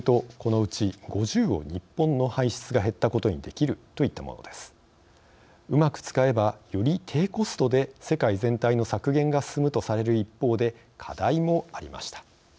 うまく使えばより低コストで世界全体の削減が進むとされる一方で課題もありました。